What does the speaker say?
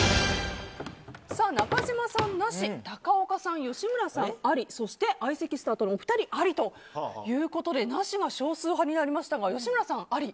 中島さん、なし高岡さん、吉村さん、ありそして相席スタートのお二人はありということでなしが少数派になりましたが吉村さん、あり。